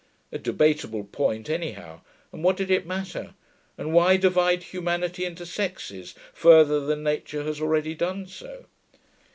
A debatable point, anyhow; and what did it matter, and why divide humanity into sexes, further than nature has already done so?